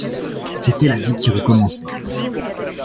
C'était la vie qui recommençait.